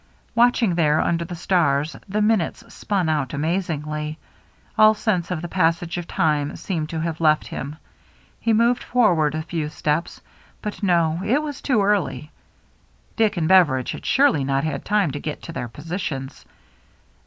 Waiting there under the stars, the minutes spun out amazingly ; all sense of the passage of time seemed to have left him. He moved forward a few steps, — but no, it was too early ; Dick and Beveridge had surely not had time to get to their positions.